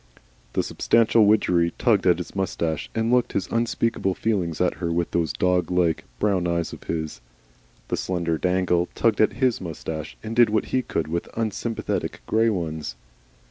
The substantial Widgery tugged at his moustache, and looked his unspeakable feelings at her with those dog like, brown eyes of his; the slender Dangle tugged at HIS moustache, and did what he could with unsympathetic grey ones.